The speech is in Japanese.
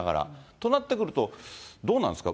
となってくると、どうなんですか？